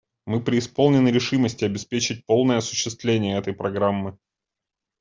Мы преисполнены решимости обеспечить полное осуществление этой программы.